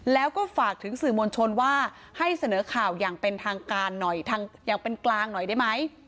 แล้วก็ฝากถึงสื่อมวลชนว่าให้เสนอข่าวอย่างเป็นทางการหน่อยอย่างเป็นกลางหน่อยได้ไหม